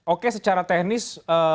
oke secara teknis